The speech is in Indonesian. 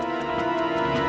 agang lebih berhenti mengejar